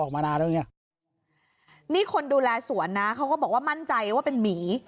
ไม่กินอาหารเลย